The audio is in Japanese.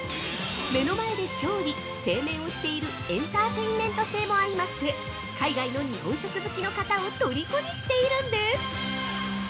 目の前で調理、製麺をしているエンターテイメント性も相まって日本食好きの外国人をとりこにしているんです。